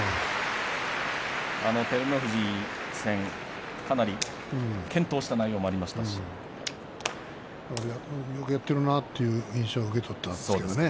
照ノ富士戦かなり健闘した内容もよくやってるなという印象を受けとったんですが。